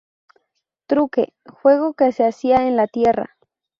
Truque: Juego que se hacía en la tierra.